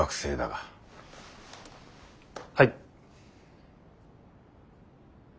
はい。